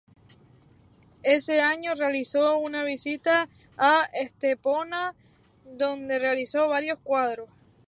Ese año realizó una visita a Estepona, donde realizó varios cuadros.